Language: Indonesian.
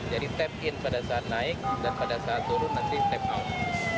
jadi tap in pada saat naik dan pada saat turun nanti tap out